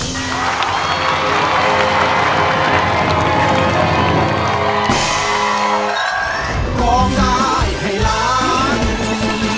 ร้องได้ให้ล้าน